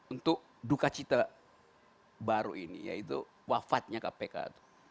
untuk duka cita baru ini yaitu wafatnya kpk